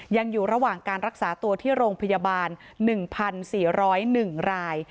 ยังอยู่ระหว่างการรักษาตัวที่โรงพยาบาล๑๔๐๑ราย